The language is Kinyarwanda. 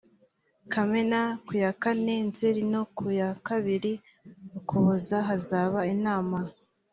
kamena ku yakane nzeri no ku ya kabiri ukuboza hazaba inama